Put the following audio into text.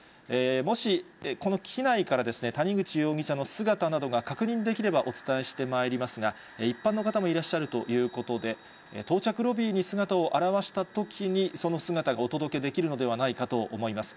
もしこの機内から、谷口容疑者の姿などが確認できればお伝えしてまいりますが、一般の方もいらっしゃるということで、到着ロビーに姿を現したときに、その姿がお届けできるのではないかと思います。